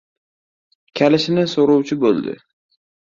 Kalishini so‘rovchi bo‘ldi.